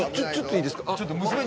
いいですか？